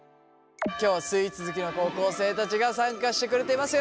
今日はスイーツ好きの高校生たちが参加してくれています。